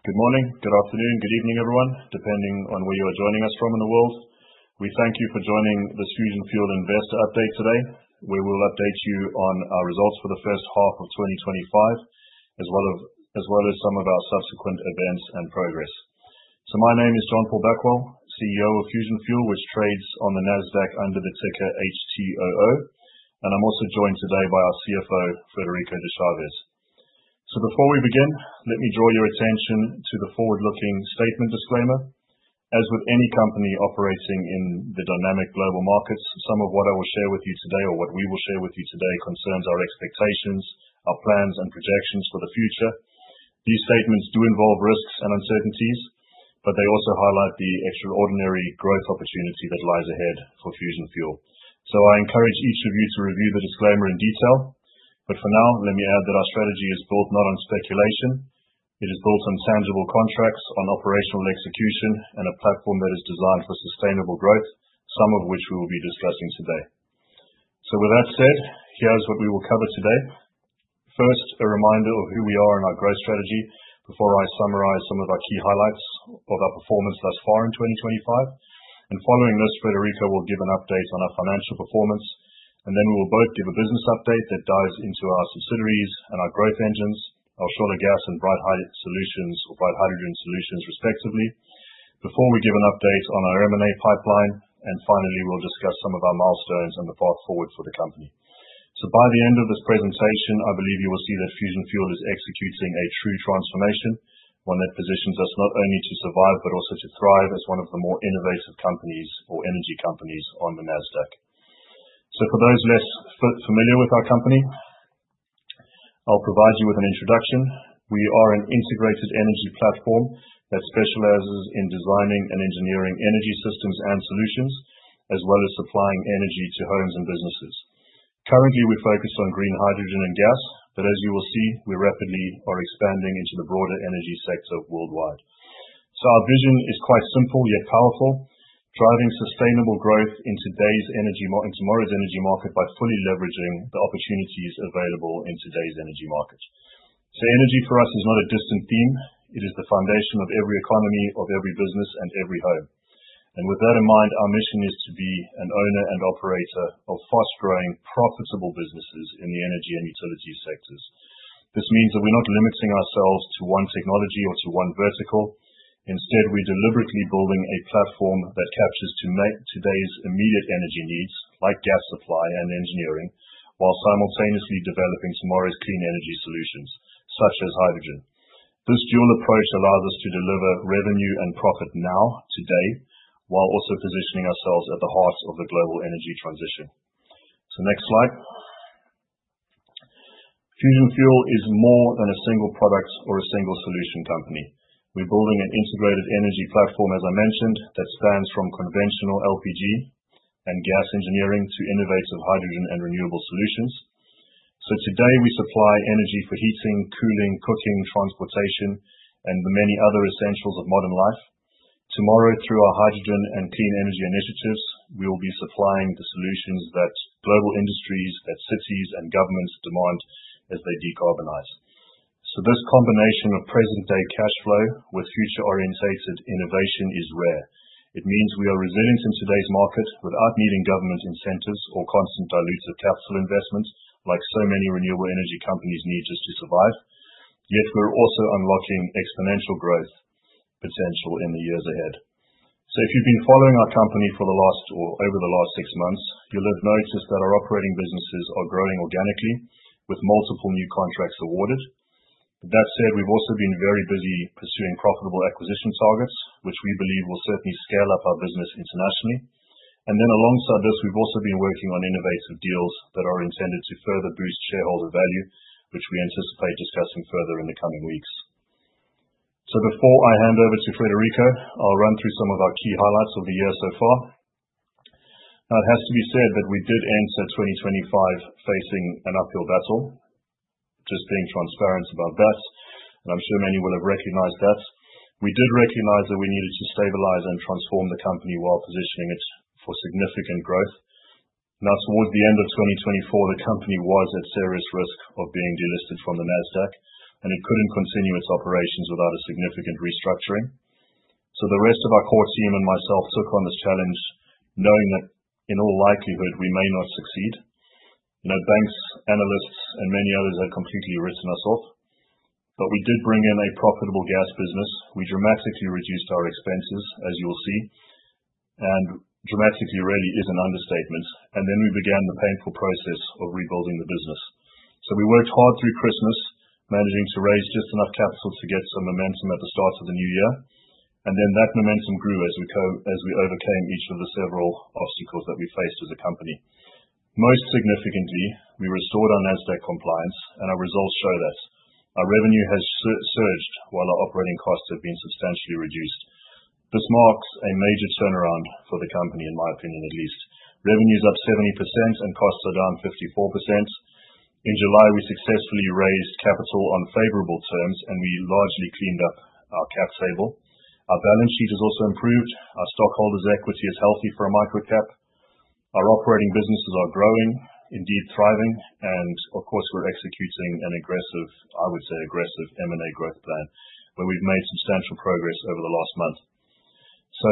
Good morning, good afternoon, good evening everyone, depending on where you are joining us from in the world. We thank you for joining this Fusion Fuel Investor Update today, where we'll update you on our results for the first half of 2025, as well as some of our subsequent events and progress. So my name is John-Paul Backwell, CEO of Fusion Fuel, which trades on the Nasdaq under the ticker HTOO, and I'm also joined today by our CFO, Frederico de Chaves. So before we begin, let me draw your attention to the forward-looking statement disclaimer. As with any company operating in the dynamic global markets, some of what I will share with you today, or what we will share with you today, concerns our expectations, our plans, and projections for the future. These statements do involve risks and uncertainties, but they also highlight the extraordinary growth opportunity that lies ahead for Fusion Fuel, so I encourage each of you to review the disclaimer in detail, but for now, let me add that our strategy is built not on speculation, it is built on tangible contracts, on operational execution, and a platform that is designed for sustainable growth, some of which we will be discussing today, so with that said, here's what we will cover today. First, a reminder of who we are and our growth strategy before I summarize some of our key highlights of our performance thus far in 2025, and following this, Frederico will give an update on our financial performance, and then we will both give a business update that dives into our subsidiaries and our growth engines, Al Shola Gas and Bright Solutions, or Bright Hydrogen Solutions, respectively. Before we give an update on our M&A pipeline, and finally, we'll discuss some of our milestones and the path forward for the company. So by the end of this presentation, I believe you will see that Fusion Fuel is executing a true transformation, one that positions us not only to survive but also to thrive as one of the more innovative companies or energy companies on the Nasdaq. So for those less familiar with our company, I'll provide you with an introduction. We are an integrated energy platform that specializes in designing and engineering energy systems and solutions, as well as supplying energy to homes and businesses. Currently, we focus on green hydrogen and gas, but as you will see, we rapidly are expanding into the broader energy sector worldwide. Our vision is quite simple yet powerful: driving sustainable growth in today's energy and tomorrow's energy market by fully leveraging the opportunities available in today's energy market. So energy for us is not a distant theme. It is the foundation of every economy, of every business, and every home. And with that in mind, our mission is to be an owner and operator of fast-growing, profitable businesses in the energy and utility sectors. This means that we're not limiting ourselves to one technology or to one vertical. Instead, we're deliberately building a platform that captures today's immediate energy needs, like gas supply and engineering, while simultaneously developing tomorrow's clean energy solutions, such as hydrogen. This dual approach allows us to deliver revenue and profit now, today, while also positioning ourselves at the heart of the global energy transition. So next slide. Fusion Fuel is more than a single product or a single solution company. We're building an integrated energy platform, as I mentioned, that spans from conventional LPG and gas engineering to innovative hydrogen and renewable solutions. So today, we supply energy for heating, cooling, cooking, transportation, and the many other essentials of modern life. Tomorrow, through our hydrogen and clean energy initiatives, we will be supplying the solutions that global industries, that cities, and governments demand as they decarbonize. So this combination of present-day cash flow with future-oriented innovation is rare. It means we are resilient in today's market without needing government incentives or constant dilution of capital investment, like so many renewable energy companies need just to survive. Yet we're also unlocking exponential growth potential in the years ahead. So if you've been following our company for the last or over the last six months, you'll have noticed that our operating businesses are growing organically, with multiple new contracts awarded. That said, we've also been very busy pursuing profitable acquisition targets, which we believe will certainly scale up our business internationally. And then alongside this, we've also been working on innovative deals that are intended to further boost shareholder value, which we anticipate discussing further in the coming weeks. So before I hand over to Frederico, I'll run through some of our key highlights of the year so far. Now, it has to be said that we did enter 2025 facing an uphill battle, just being transparent about that, and I'm sure many will have recognized that. We did recognize that we needed to stabilize and transform the company while positioning it for significant growth. Now, towards the end of 2024, the company was at serious risk of being delisted from the Nasdaq, and it couldn't continue its operations without a significant restructuring, so the rest of our core team and myself took on this challenge, knowing that in all likelihood, we may not succeed. You know, banks, analysts, and many others had completely written us off, but we did bring in a profitable gas business. We dramatically reduced our expenses, as you will see, and dramatically really is an understatement, and then we began the painful process of rebuilding the business, so we worked hard through Christmas, managing to raise just enough capital to get some momentum at the start of the new year, and then that momentum grew as we overcame each of the several obstacles that we faced as a company. Most significantly, we restored our Nasdaq compliance, and our results show that. Our revenue has surged while our operating costs have been substantially reduced. This marks a major turnaround for the company, in my opinion at least. Revenue is up 70%, and costs are down 54%. In July, we successfully raised capital on favorable terms, and we largely cleaned up our cap table. Our balance sheet has also improved. Our stockholders' equity is healthy for a micro-cap. Our operating businesses are growing, indeed thriving, and of course, we're executing an aggressive, I would say aggressive M&A growth plan, where we've made substantial progress over the last month. So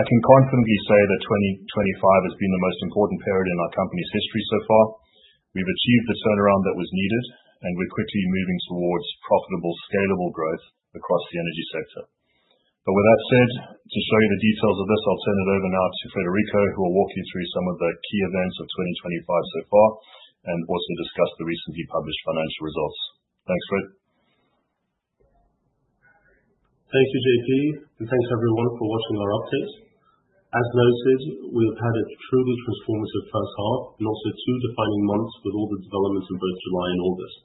I can confidently say that 2025 has been the most important period in our company's history so far. We've achieved the turnaround that was needed, and we're quickly moving towards profitable, scalable growth across the energy sector. But with that said, to show you the details of this, I'll turn it over now to Frederico, who will walk you through some of the key events of 2025 so far and also discuss the recently published financial results. Thanks, Fred. Thank you, JP, and thanks everyone for watching our update. As noted, we have had a truly transformative first half, and also two defining months with all the developments in both July and August.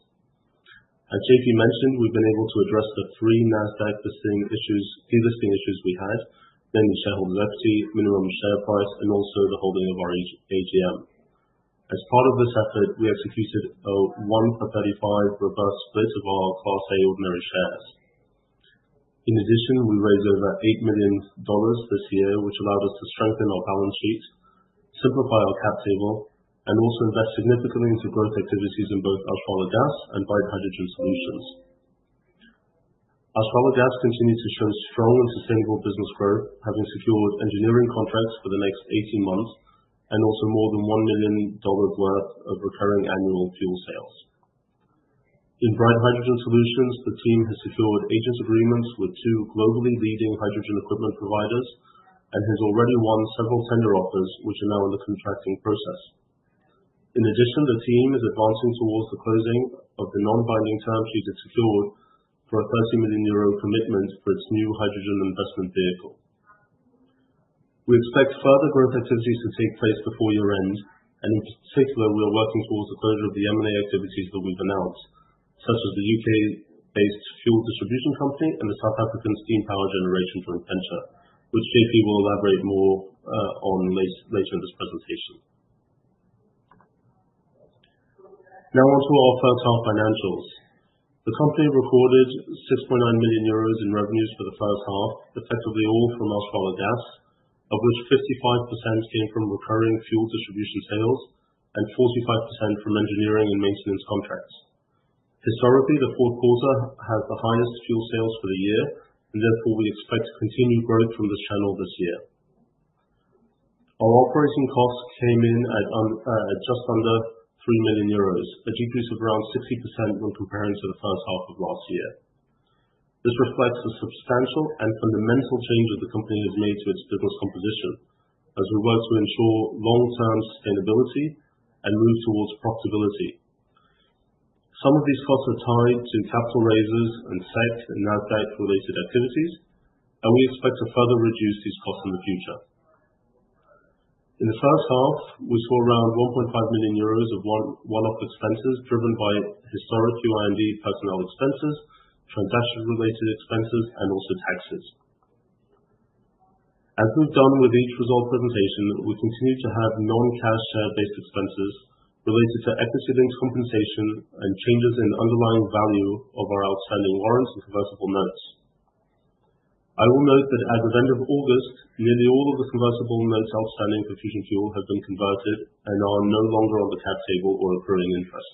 As JP mentioned, we've been able to address the three Nasdaq delisting issues we had, namely stockholders' equity, minimum share price, and also the holding of our AGM. As part of this effort, we executed a 1-for-35 reverse split of our Class A ordinary shares. In addition, we raised over $8 million this year, which allowed us to strengthen our balance sheet, simplify our cap table, and also invest significantly into growth activities in both Al Shola Gas and Bright Hydrogen Solutions. Al Shola Gas continues to show strong and sustainable business growth, having secured engineering contracts for the next 18 months and also more than $1 million worth of recurring annual fuel sales. In Bright Hydrogen Solutions, the team has secured agent agreements with two globally leading hydrogen equipment providers and has already won several tender offers, which are now in the contracting process. In addition, the team is advancing towards the closing of the non-binding term sheet it secured for a 30 million euro commitment for its new hydrogen investment vehicle. We expect further growth activities to take place before year-end, and in particular, we are working towards the closure of the M&A activities that we've announced, such as the U.K.-based fuel distribution company and the South African steam power generation joint venture, which JP will elaborate more on later in this presentation. Now onto our first half financials. The company recorded 6.9 million euros in revenues for the first half, effectively all from Al Shola Gas, of which 55% came from recurring fuel distribution sales and 45% from engineering and maintenance contracts. Historically, the fourth quarter has the highest fuel sales for the year, and therefore we expect continued growth from this channel this year. Our operating costs came in at just under 3 million euros, a decrease of around 60% when comparing to the first half of last year. This reflects the substantial and fundamental change that the company has made to its business composition as we work to ensure long-term sustainability and move towards profitability. Some of these costs are tied to capital raises and SEC and Nasdaq-related activities, and we expect to further reduce these costs in the future. In the first half, we saw around 1.5 million euros of one-off expenses driven by historic QIND personnel expenses, transaction-related expenses, and also taxes. As we've done with each result presentation, we continue to have non-cash share-based expenses related to equity-linked compensation and changes in underlying value of our outstanding warrants and convertible notes. I will note that as of end of August, nearly all of the convertible notes outstanding for Fusion Fuel have been converted and are no longer on the cap table or accruing interest.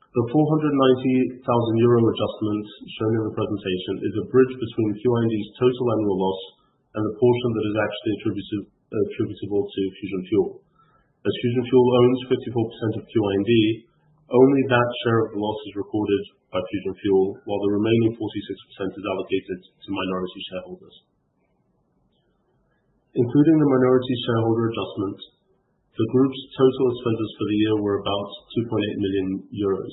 The 490,000 euro adjustment shown in the presentation is a bridge between QIND's total annual loss and the portion that is actually attributable to Fusion Fuel. As Fusion Fuel owns 54% of QIND, only that share of the loss is recorded by Fusion Fuel, while the remaining 46% is allocated to minority shareholders. Including the minority shareholder adjustment, the group's total expenses for the year were about 2.8 million euros,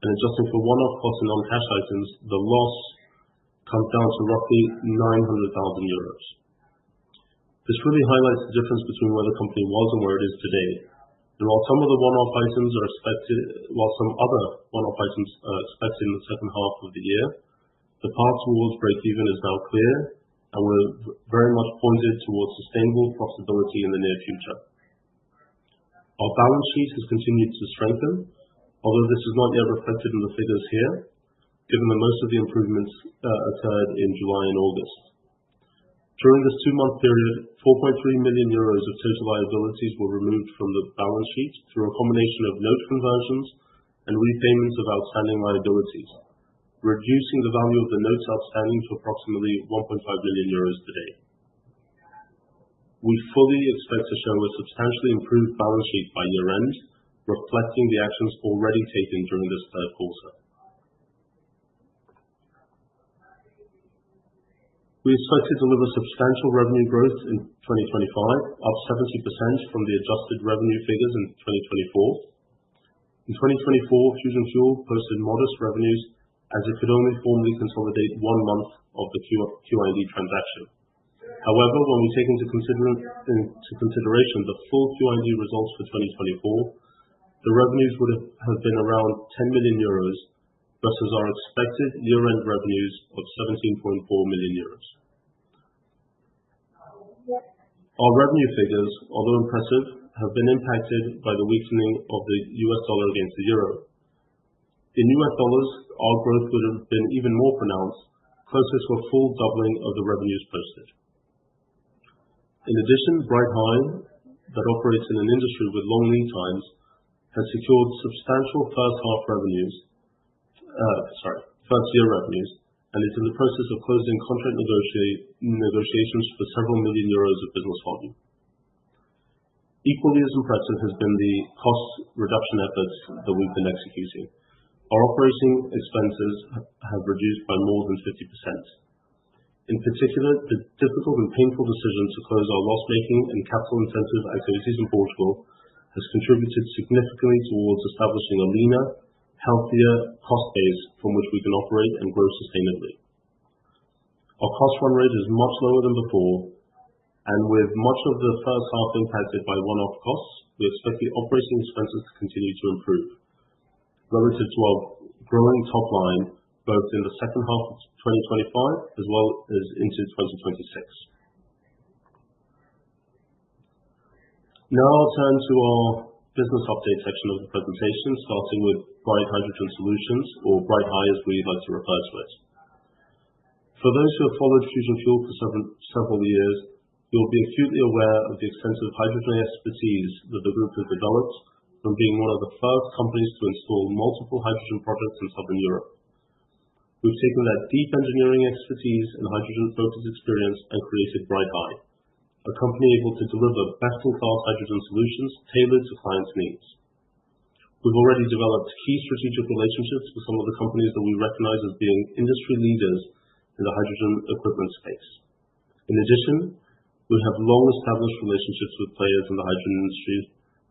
and adjusting for one-off costs and non-cash items, the loss comes down to roughly 900,000 euros. This really highlights the difference between where the company was and where it is today. There are some of the one-off items that are expected, while some other one-off items are expected in the second half of the year. The path towards break-even is now clear, and we're very much pointed towards sustainable profitability in the near future. Our balance sheet has continued to strengthen, although this is not yet reflected in the figures here, given that most of the improvements occurred in July and August. During this two-month period, 4.3 million euros of total liabilities were removed from the balance sheet through a combination of note conversions and repayments of outstanding liabilities, reducing the value of the notes outstanding to approximately 1.5 million euros today. We fully expect to show a substantially improved balance sheet by year-end, reflecting the actions already taken during this third quarter. We expect to deliver substantial revenue growth in 2025, up 70% from the adjusted revenue figures in 2024. In 2024, Fusion Fuel posted modest revenues as it could only formally consolidate one month of the QIND transaction. However, when we take into consideration the full QIND results for 2024, the revenues would have been around 10 million euros versus our expected year-end revenues of 17.4 million euros. Our revenue figures, although impressive, have been impacted by the weakening of the U.S. dollar against the euro. In U.S. dollars, our growth would have been even more pronounced, closer to a full doubling of the revenues posted. In addition, BrightHy, that operates in an industry with long lead times, has secured substantial first half revenues, sorry, first year revenues, and is in the process of closing contract negotiations for several million euros of business volume. Equally as impressive has been the cost reduction efforts that we've been executing. Our operating expenses have reduced by more than 50%. In particular, the difficult and painful decision to close our loss-making and capital-intensive activities in Portugal has contributed significantly towards establishing a leaner, healthier cost base from which we can operate and grow sustainably. Our cost run rate is much lower than before, and with much of the first half impacted by one-off costs, we expect the operating expenses to continue to improve relative to our growing top line, both in the second half of 2025 as well as into 2026. Now I'll turn to our business update section of the presentation, starting with Bright Hydrogen Solutions, or BrightHy as we like to refer to it. For those who have followed Fusion Fuel for several years, you'll be acutely aware of the extensive hydrogen expertise that the group has developed from being one of the first companies to install multiple hydrogen projects in southern Europe. We've taken that deep engineering expertise and hydrogen-focused experience and created BrightHy, a company able to deliver best-in-class hydrogen solutions tailored to clients' needs. We've already developed key strategic relationships with some of the companies that we recognize as being industry leaders in the hydrogen equipment space. In addition, we have long-established relationships with players in the hydrogen industry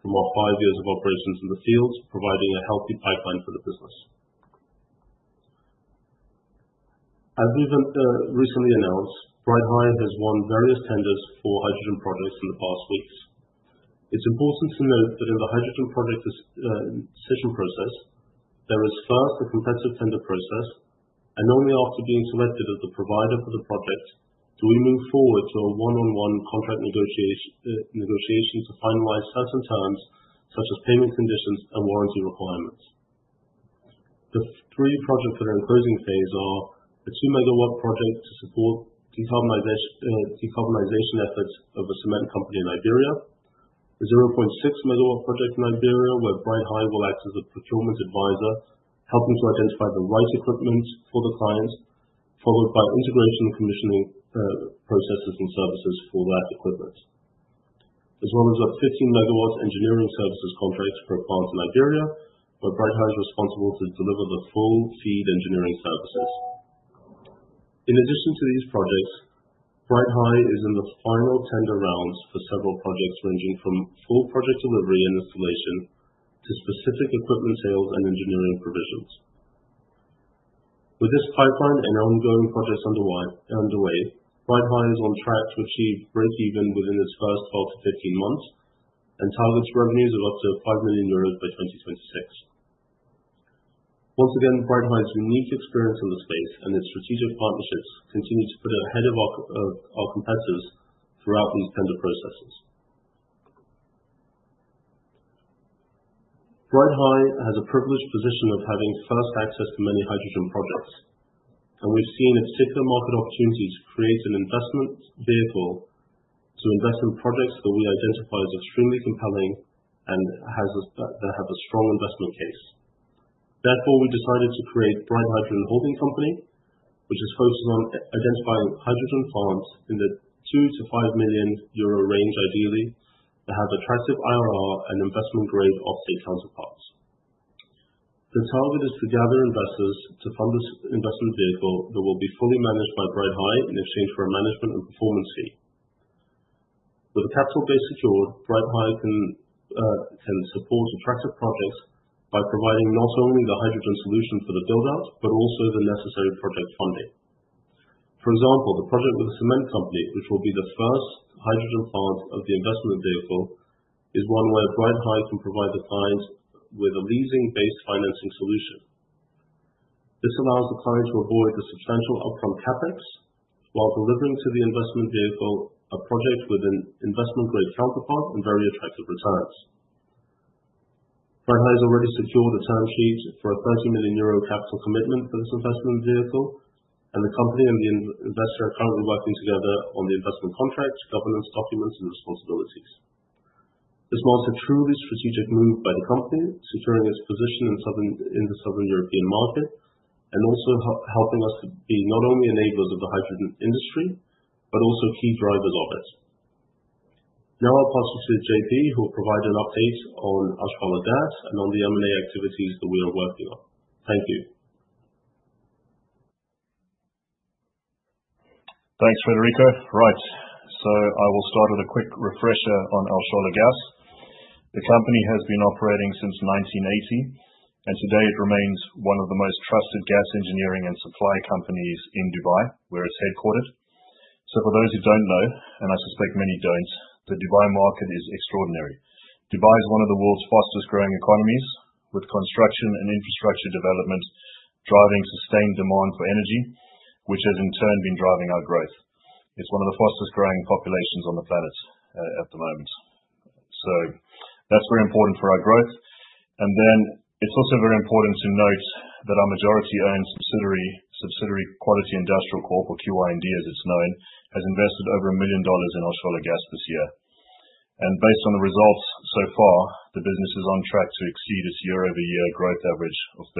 from our five years of operations in the field, providing a healthy pipeline for the business. As we've recently announced, BrightHy has won various tenders for hydrogen projects in the past weeks. It's important to note that in the hydrogen project decision process, there is first the competitive tender process, and only after being selected as the provider for the project do we move forward to a one-on-one contract negotiation to finalize certain terms such as payment conditions and warranty requirements. The three projects that are in closing phase are a 2 MW project to support decarbonization efforts of a cement company in Iberia, a 0.6 MW project in Iberia where BrightHy will act as a procurement advisor, helping to identify the right equipment for the client, followed by integration and commissioning processes and services for that equipment, as well as a 15-megawatt engineering services contract for a plant in Iberia where BrightHy is responsible to deliver the full FEED engineering services. In addition to these projects, BrightHy is in the final tender rounds for several projects ranging from full project delivery and installation to specific equipment sales and engineering provisions. With this pipeline and ongoing projects underway, BrightHy is on track to achieve break-even within its first 12 to 15 months and targets revenues of up to 5 million euros by 2026. Once again, BrightHy's unique experience in the space and its strategic partnerships continue to put it ahead of our competitors throughout these tender processes. BrightHy has a privileged position of having first access to many hydrogen projects, and we've seen a particular market opportunity to create an investment vehicle to invest in projects that we identify as extremely compelling and that have a strong investment case. Therefore, we decided to create Bright Hydrogen Holding Company, which is focused on identifying hydrogen plants in the 2 million-5 million euro range, ideally, that have attractive IRR and investment-grade off-take counterparts. The target is to gather investors to fund this investment vehicle that will be fully managed by BrightHy in exchange for a management and performance fee. With a capital base secured, BrightHy can support attractive projects by providing not only the hydrogen solution for the build-out but also the necessary project funding. For example, the project with the cement company, which will be the first hydrogen plant of the investment vehicle, is one where BrightHy can provide the client with a leasing-based financing solution. This allows the client to avoid the substantial upfront CapEx while delivering to the investment vehicle a project with an investment-grade counterpart and very attractive returns. BrightHy has already secured a term sheet for a 30 million euro capital commitment for this investment vehicle, and the company and the investor are currently working together on the investment contract, governance documents, and responsibilities. This marks a truly strategic move by the company, securing its position in the southern European market and also helping us to be not only enablers of the hydrogen industry but also key drivers of it. Now I'll pass you to JP, who will provide an update on Al Shola Gas and on the M&A activities that we are working on. Thank you. Thanks, Frederico. Right, so I will start with a quick refresher on Al Shola Gas. The company has been operating since 1980, and today it remains one of the most trusted gas engineering and supply companies in Dubai, where it's headquartered. So for those who don't know, and I suspect many don't, the Dubai market is extraordinary. Dubai is one of the world's fastest-growing economies, with construction and infrastructure development driving sustained demand for energy, which has in turn been driving our growth. It's one of the fastest-growing populations on the planet at the moment. So that's very important for our growth. And then it's also very important to note that our majority-owned subsidiary Quality Industrial Corp, or QIND, as it's known, has invested over $1 million in Al Shola Gas this year. Based on the results so far, the business is on track to exceed its year-over-year growth average of 30%.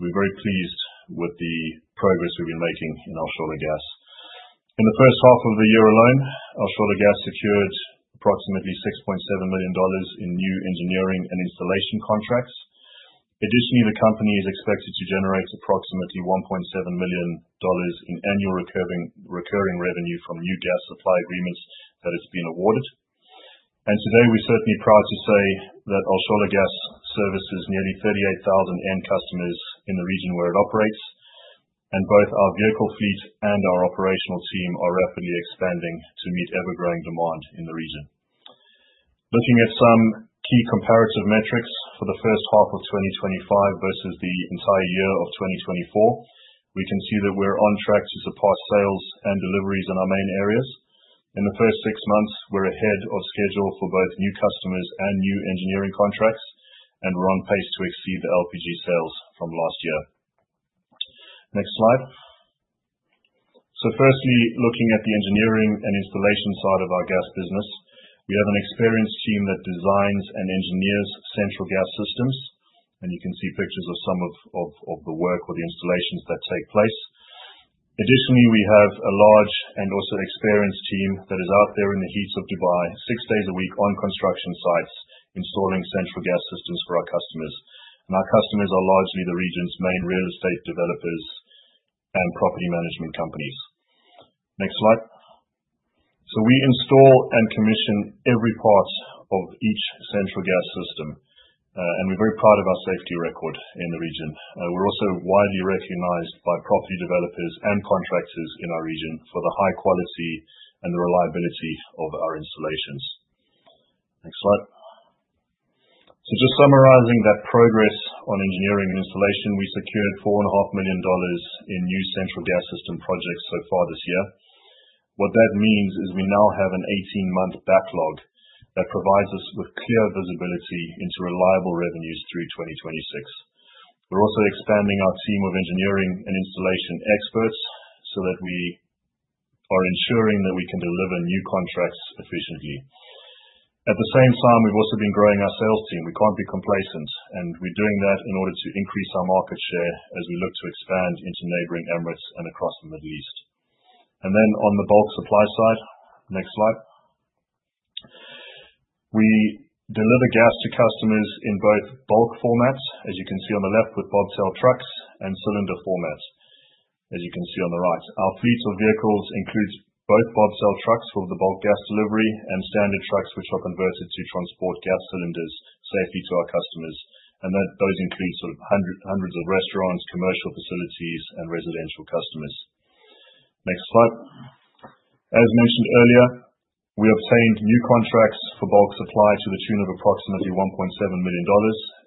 We're very pleased with the progress we've been making in Al Shola Gas. In the first half of the year alone, Al Shola Gas secured approximately $6.7 million in new engineering and installation contracts. Additionally, the company is expected to generate approximately $1.7 million in annual recurring revenue from new gas supply agreements that it's been awarded. Today, we're certainly proud to say that Al Shola Gas services nearly 38,000 end customers in the region where it operates, and both our vehicle fleet and our operational team are rapidly expanding to meet ever-growing demand in the region. Looking at some key comparative metrics for the first half of 2025 versus the entire year of 2024, we can see that we're on track to surpass sales and deliveries in our main areas. In the first six months, we're ahead of schedule for both new customers and new engineering contracts, and we're on pace to exceed the LPG sales from last year. Next slide. So firstly, looking at the engineering and installation side of our gas business, we have an experienced team that designs and engineers central gas systems, and you can see pictures of some of the work or the installations that take place. Additionally, we have a large and also experienced team that is out there in the heat of Dubai six days a week on construction sites installing central gas systems for our customers. And our customers are largely the region's main real estate developers and property management companies. Next slide. So we install and commission every part of each central gas system, and we're very proud of our safety record in the region. We're also widely recognized by property developers and contractors in our region for the high quality and the reliability of our installations. Next slide, so just summarizing that progress on engineering and installation, we secured $4.5 million in new central gas system projects so far this year. What that means is we now have an 18-month backlog that provides us with clear visibility into reliable revenues through 2026. We're also expanding our team of engineering and installation experts so that we are ensuring that we can deliver new contracts efficiently. At the same time, we've also been growing our sales team. We can't be complacent, and we're doing that in order to increase our market share as we look to expand into neighboring Emirates and across the Middle East, and then on the bulk supply side. Next slide. We deliver gas to customers in both bulk formats, as you can see on the left, with bobtail trucks and cylinder formats, as you can see on the right. Our fleet of vehicles includes both bobtail trucks for the bulk gas delivery and standard trucks which are converted to transport gas cylinders safely to our customers, and those include sort of hundreds of restaurants, commercial facilities, and residential customers. Next slide. As mentioned earlier, we obtained new contracts for bulk supply to the tune of approximately $1.7 million,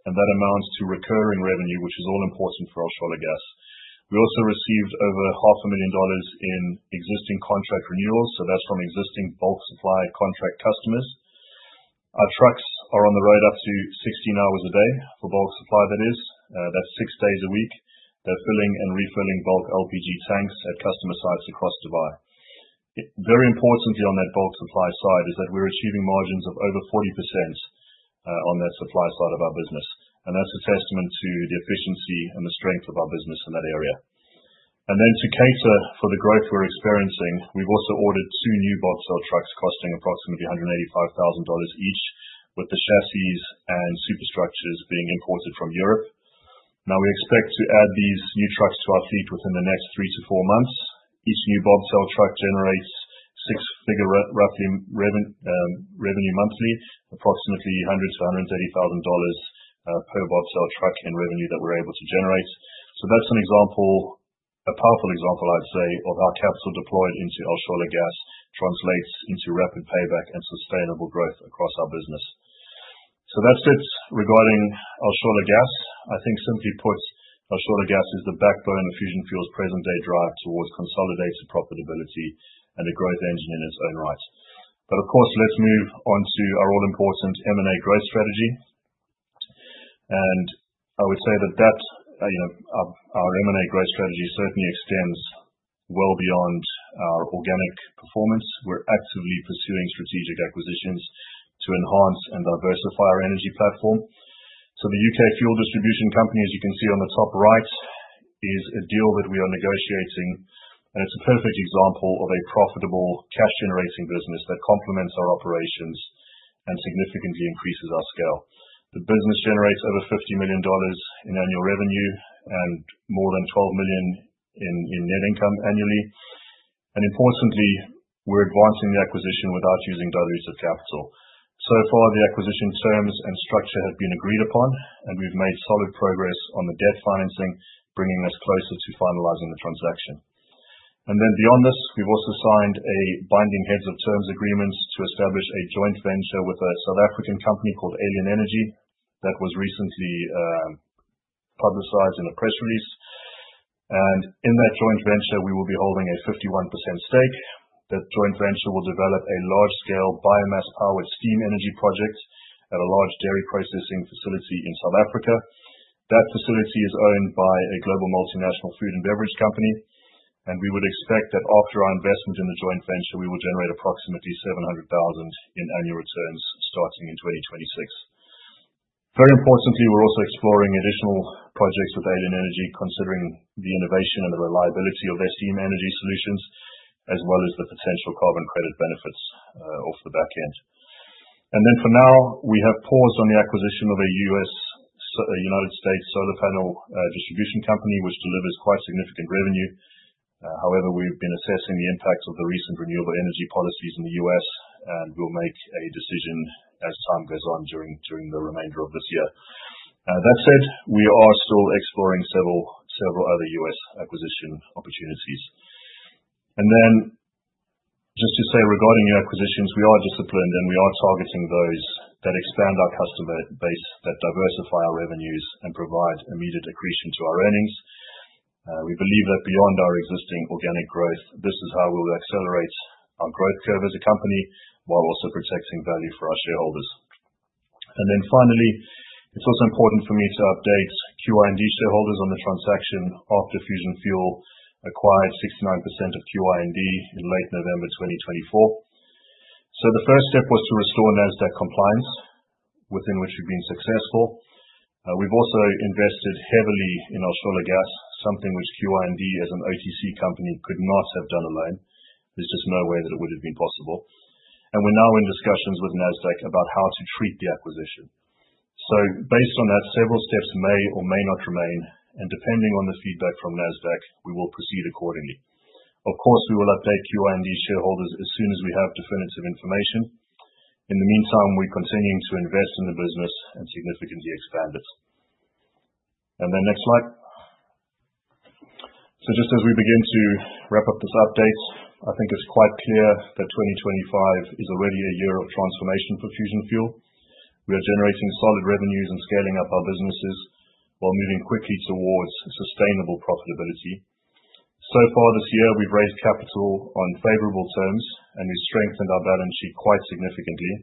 and that amounts to recurring revenue, which is all important for Al Shola Gas. We also received over $500,000 in existing contract renewals, so that's from existing bulk supply contract customers. Our trucks are on the road up to 16 hours a day for bulk supply, that is. That's six days a week. They're filling and refilling bulk LPG tanks at customer sites across Dubai. Very importantly on that bulk supply side is that we're achieving margins of over 40% on that supply side of our business, and that's a testament to the efficiency and the strength of our business in that area, and then to cater for the growth we're experiencing, we've also ordered two new bobtail trucks costing approximately $185,000 each, with the chassis and superstructures being imported from Europe. Now, we expect to add these new trucks to our fleet within the next three to four months. Each new bobtail truck generates six-figure roughly revenue monthly, approximately $100,000-$130,000 per bobtail truck in revenue that we're able to generate, so that's an example, a powerful example, I'd say, of our capital deployed into Al Shola Gas translates into rapid payback and sustainable growth across our business. That's it regarding Al Shola Gas. I think simply put, Al Shola Gas is the backbone of Fusion Fuel's present-day drive towards consolidating profitability and a growth engine in its own right. Of course, let's move on to our all-important M&A growth strategy. I would say that our M&A growth strategy certainly extends well beyond our organic performance. We're actively pursuing strategic acquisitions to enhance and diversify our energy platform. The UK fuel distribution company, as you can see on the top right, is a deal that we are negotiating, and it's a perfect example of a profitable cash-generating business that complements our operations and significantly increases our scale. The business generates over $50 million in annual revenue and more than $12 million in net income annually. Importantly, we're advancing the acquisition without using dilutive capital. So far, the acquisition terms and structure have been agreed upon, and we've made solid progress on the debt financing, bringing us closer to finalizing the transaction. And then beyond this, we've also signed a binding heads-of-terms agreement to establish a joint venture with a South African company called Alien Energy that was recently publicized in a press release. And in that joint venture, we will be holding a 51% stake. That joint venture will develop a large-scale biomass-powered steam energy project at a large dairy processing facility in South Africa. That facility is owned by a global multinational food and beverage company, and we would expect that after our investment in the joint venture, we will generate approximately $700,000 in annual returns starting in 2026. Very importantly, we're also exploring additional projects with Alien Energy, considering the innovation and the reliability of their steam energy solutions, as well as the potential carbon credit benefits off the back end, and then for now, we have paused on the acquisition of a United States solar panel distribution company, which delivers quite significant revenue. However, we've been assessing the impacts of the recent renewable energy policies in the U.S., and we'll make a decision as time goes on during the remainder of this year. That said, we are still exploring several other U.S. acquisition opportunities, and then just to say regarding new acquisitions, we are disciplined, and we are targeting those that expand our customer base, that diversify our revenues, and provide immediate accretion to our earnings. We believe that beyond our existing organic growth, this is how we will accelerate our growth curve as a company while also protecting value for our shareholders. And then finally, it's also important for me to update QIND shareholders on the transaction after Fusion Fuel acquired 69% of QIND in late November 2024. So the first step was to restore Nasdaq compliance, within which we've been successful. We've also invested heavily in Al Shola Gas, something which QIND, as an OTC company, could not have done alone. There's just no way that it would have been possible. And we're now in discussions with Nasdaq about how to treat the acquisition. So based on that, several steps may or may not remain, and depending on the feedback from Nasdaq, we will proceed accordingly. Of course, we will update QIND shareholders as soon as we have definitive information. In the meantime, we're continuing to invest in the business and significantly expand it. And then next slide. So just as we begin to wrap up this update, I think it's quite clear that 2025 is already a year of transformation for Fusion Fuel. We are generating solid revenues and scaling up our businesses while moving quickly towards sustainable profitability. So far this year, we've raised capital on favorable terms, and we've strengthened our balance sheet quite significantly.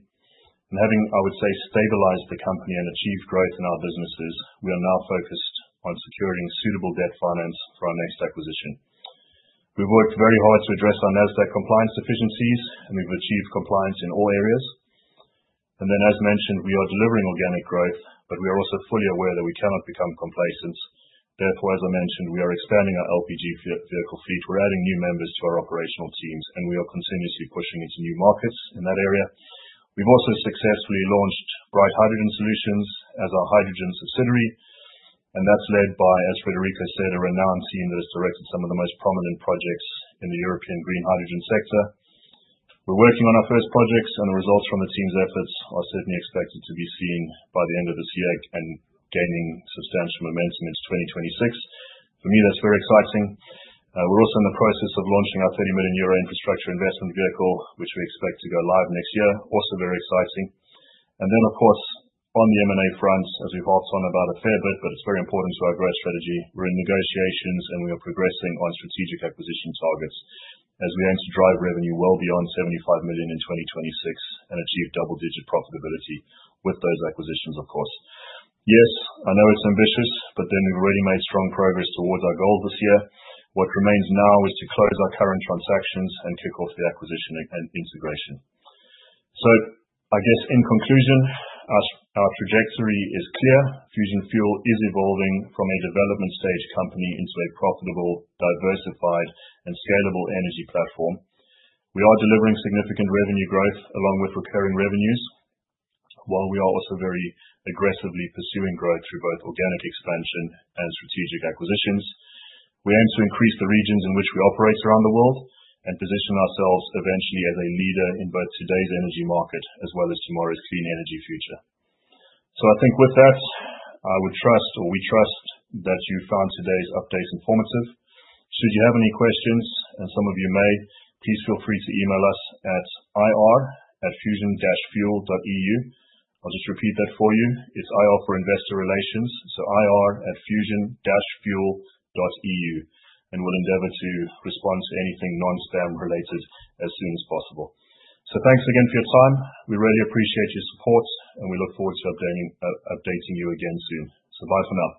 And having, I would say, stabilized the company and achieved growth in our businesses, we are now focused on securing suitable debt finance for our next acquisition. We've worked very hard to address our Nasdaq compliance deficiencies, and we've achieved compliance in all areas. And then, as mentioned, we are delivering organic growth, but we are also fully aware that we cannot become complacent. Therefore, as I mentioned, we are expanding our LPG vehicle fleet. We're adding new members to our operational teams, and we are continuously pushing into new markets in that area. We've also successfully launched Bright Hydrogen Solutions as our hydrogen subsidiary, and that's led by, as Frederico said, a renowned team that has directed some of the most prominent projects in the European green hydrogen sector. We're working on our first projects, and the results from the team's efforts are certainly expected to be seen by the end of this year and gaining substantial momentum into 2026. For me, that's very exciting. We're also in the process of launching our 30 million euro infrastructure investment vehicle, which we expect to go live next year. Also very exciting. And then, of course, on the M&A front, as we've hopped on about a fair bit, but it's very important to our growth strategy. We're in negotiations, and we are progressing on strategic acquisition targets as we aim to drive revenue well beyond 75 million in 2026 and achieve double-digit profitability with those acquisitions, of course. Yes, I know it's ambitious, but then we've already made strong progress towards our goals this year. What remains now is to close our current transactions and kick off the acquisition and integration. So I guess in conclusion, our trajectory is clear. Fusion Fuel is evolving from a development-stage company into a profitable, diversified, and scalable energy platform. We are delivering significant revenue growth along with recurring revenues, while we are also very aggressively pursuing growth through both organic expansion and strategic acquisitions. We aim to increase the regions in which we operate around the world and position ourselves eventually as a leader in both today's energy market as well as tomorrow's clean energy future. I think with that, I would trust, or we trust, that you found today's updates informative. Should you have any questions, and some of you may, please feel free to email us at ir@fusion-fuel.eu. I'll just repeat that for you. It's ir for investor relations, so ir@fusion-fuel.eu, and we'll endeavor to respond to anything non-spam-related as soon as possible. Thanks again for your time. We really appreciate your support, and we look forward to updating you again soon. Bye for now.